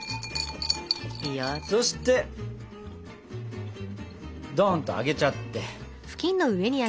そしてドンとあげちゃって。